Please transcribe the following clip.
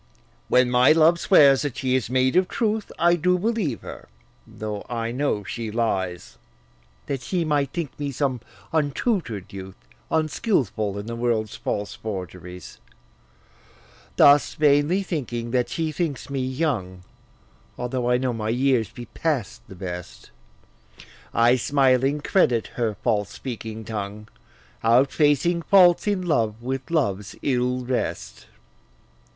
When my love swears that she is made of truth, I do believe her, though I know she lies, That she might think me some untutor'd youth, Unskilful in the world's false forgeries, Thus vainly thinking that she thinks me young, Although I know my years be past the best, I smiling credit her false speaking tongue, Outfacing faults in love with love's ill rest.